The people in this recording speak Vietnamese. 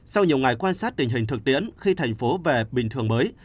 sau nhiều ngày quan sát tình hình thực tiễn khi thành phố về bình thường mới